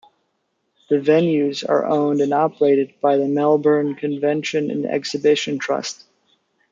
The venues are owned and operated by the Melbourne Convention and Exhibition Trust.